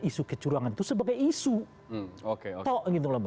isu kecurangan itu sebagai isu